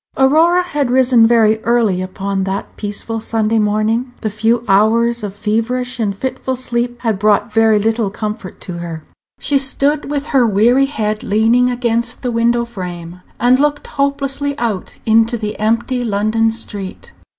Aurora had risen very early upon that peaceful Sunday morning. The few hours of feverish and fitful sleep had brought very little comfort to her. She stood with her weary head leaning against the window frame, and looked hopelessly out into the empty London street.